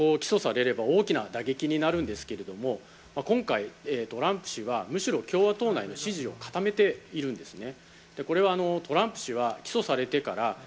普通の政治家ですと起訴されれば、大きな打撃になるんですけれども、今回、トランプ氏はむしろ共和党内の支持を固めているんですね。